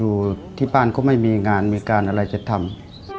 อยู่ที่บ้านก็ไม่มีงานมีการอะไรจะทำ